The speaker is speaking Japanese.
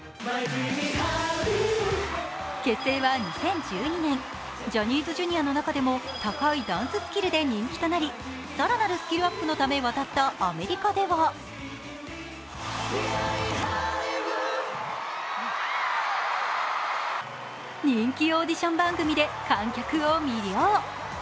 結成は２０１２年、ジャニーズＪｒ．の中でも高いダンススキルで人気となり更なるスキルアップのため渡ったアメリカでは人気オーディション番組で観客を魅了。